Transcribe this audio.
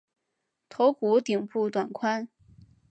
头骨顶部短宽。